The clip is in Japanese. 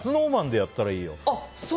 ＳｎｏｗＭａｎでやったらいいよ。